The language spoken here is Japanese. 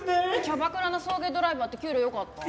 キャバクラの送迎ドライバーって給料よかった？